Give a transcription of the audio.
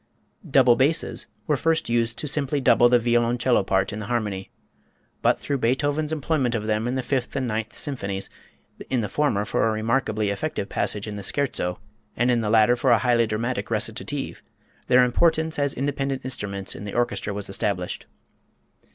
Double basses first were used to simply double the violoncello part in the harmony. But through Beethoven's employment of them in the Fifth and Ninth Symphonies, in the former for a remarkably effective passage in the Scherzo and in the latter for a highly dramatic recitative, their importance as independent instruments in the orchestra was established.